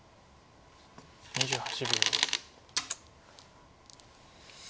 ２８秒。